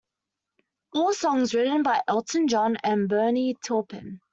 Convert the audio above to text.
All songs written by Elton John and Bernie Taupin.